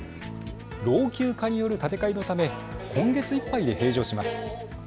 老朽化による建て替えのため今月いっぱいで閉場します。